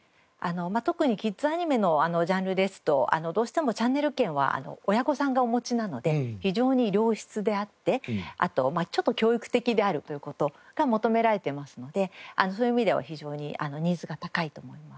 特にキッズアニメのジャンルですとどうしてもチャンネル権は親御さんがお持ちなので非常に良質であってあとちょっと教育的であるという事が求められてますのでそういう意味では非常にニーズが高いと思います。